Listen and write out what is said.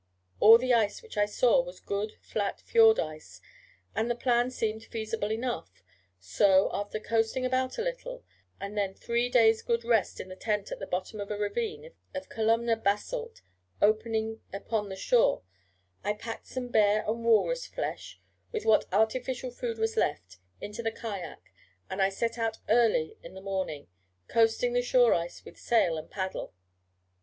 All the ice which I saw was good flat fjord ice, and the plan seemed feasible enough; so after coasting about a little, and then three days' good rest in the tent at the bottom of a ravine of columnar basalt opening upon the shore, I packed some bear and walrus flesh, with what artificial food was left, into the kayak, and I set out early in the morning, coasting the shore ice with sail and paddle.